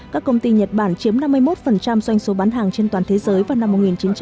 các công ty nhật bản chiếm năm mươi một doanh số bán hàng trên toàn thế giới vào năm một nghìn chín trăm bảy mươi